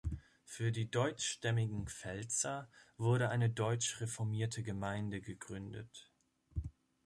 Für die deutschstämmigen Pfälzer wurde eine Deutsch-Reformierte-Gemeinde gegründet.